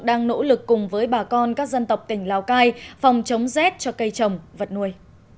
đang nỗ lực cùng với bà con các dân tộc tỉnh lào cai phòng chống rét cho cây trồng vật nuôi